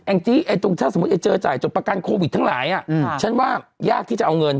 จี้ไอ้ตรงถ้าสมมุติเจอจ่ายจบประกันโควิดทั้งหลายฉันว่ายากที่จะเอาเงิน